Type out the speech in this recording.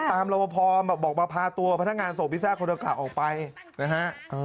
รบพอบอกมาพาตัวพนักงานส่งพิซซ่าคนดังกล่าวออกไปนะฮะ